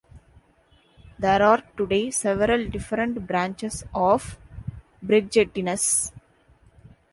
There are today several different branches of Bridgettines.